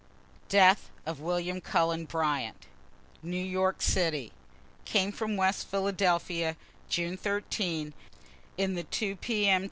DEATH OF WILLIAM CULLEN BRYANT New York City. Came on from West Philadelphia, June 13, in the 2 P. M.